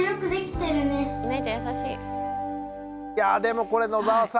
いやあでもこれ野澤さん